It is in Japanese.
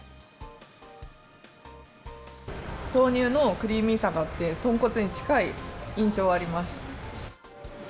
豆乳のクリーミーさがあって、豚骨に近い印象あります。